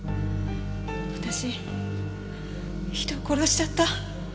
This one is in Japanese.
私人を殺しちゃった。